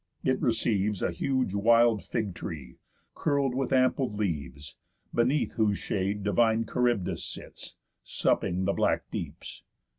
It receives A huge wild fig tree, curl'd with ample leaves, Beneath whose shades divine Charybdis sits, Supping the black deeps.